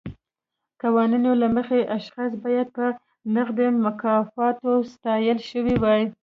قوانینو له مخې اشخاص باید په نغدي مکافاتو ستایل شوي وای.